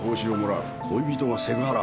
恋人がセクハラ。